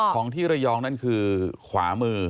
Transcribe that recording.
ของที่ระยองนั่นคือขวามือ